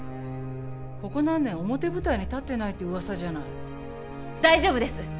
ここ何年表舞台に立ってないって噂じゃない大丈夫です